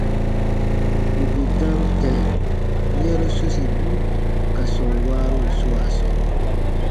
Bù bè dam kɛ̃ yɛ̃ru sosibu ka sɔm waarun swaa sɔɔ,